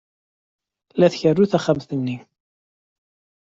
La tkerru taxxamt-nni.